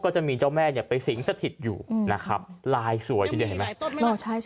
ก็จะมีเจ้าแม่เป็นสิงสติดอยู่นะครับลายสวยทีเนี่ยเห็นไหมหรอใช่